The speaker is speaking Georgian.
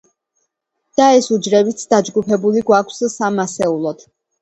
და ეს უჯრებიც დაჯგუფებული გვაქვს სამ ასეულად.